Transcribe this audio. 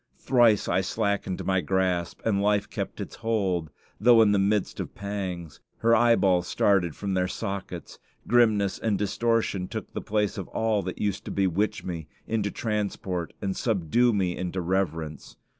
Thrice I slackened my grasp, and life kept its hold, though in the midst of pangs. Her eyeballs started from their sockets. Grimness and distortion took the place of all that used to bewitch me into transport and subdue me into reverence.